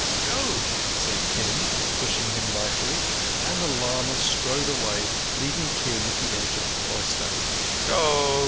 "Go!" said Kim, pushing him lightly, and the lama strode away, leaving Kim at the edge of the cloister. "Go!"